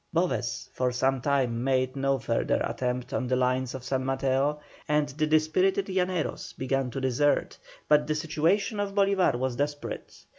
Boves for some time made no further attempt on the lines of San Mateo, and the dispirited Llaneros began to desert, but the situation of Bolívar was desperate.